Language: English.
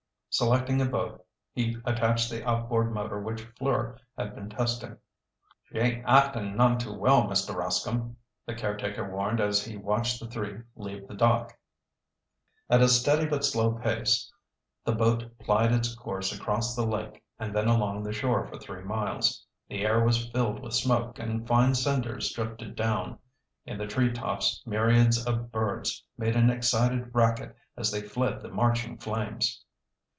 Selecting a boat, he attached the outboard motor which Fleur had been testing. "She ain't acting none too well, Mr. Rascomb," the caretaker warned as he watched the three leave the dock. At a steady but slow pace, the boat plied its course across the lake and then along the shore for three miles. The air was filled with smoke, and fine cinders drifted down. In the treetops myriads of birds made an excited racket as they fled the marching flames.